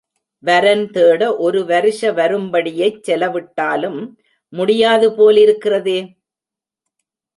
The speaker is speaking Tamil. வரன் தேட ஒரு வருஷ வரும்படியைச் செலவிட்டாலும் முடியாது போலிருக்கிறதே.